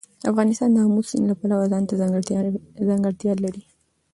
افغانستان د آمو سیند د پلوه ځانته ځانګړتیا لري.